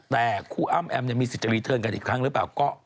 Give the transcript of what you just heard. แต่คู่อ้ำแอมมีสิทธิ์รีเทิร์นกันอีกครั้งหรือเปล่า